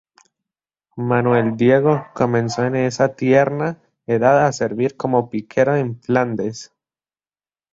Manuel Diego comenzó en esa tierna edad a servir como piquero en Flandes.